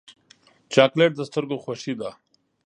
چاکلېټ د سترګو خوښي ده.